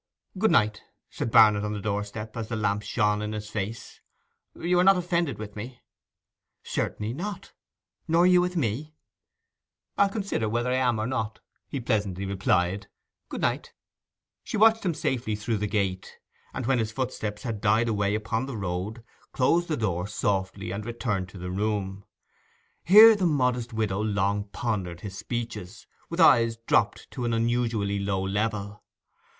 'Good night,' said Barnet, on the doorstep, as the lamp shone in his face. 'You are not offended with me?' 'Certainly not. Nor you with me?' 'I'll consider whether I am or not,' he pleasantly replied. 'Good night.' She watched him safely through the gate; and when his footsteps had died away upon the road, closed the door softly and returned to the room. Here the modest widow long pondered his speeches, with eyes dropped to an unusually low level.